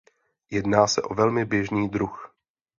Jedná se o velmi běžný druh.